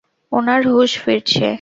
ওনার হুঁশ ফিরছে।